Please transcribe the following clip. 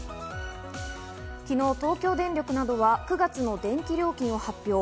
昨日、東京電力などは９月の電気料金を発表。